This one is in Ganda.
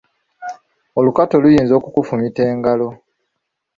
Olukato luyinza okukufumita engalo.